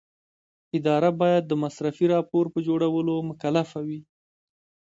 اداره باید د مصرفي راپور په جوړولو مکلفه وي.